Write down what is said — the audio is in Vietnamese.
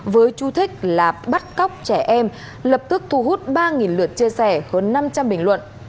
với chu thích là bắt cóc trẻ em lập tức thu hút ba lượt chia sẻ hơn năm trăm linh bình luận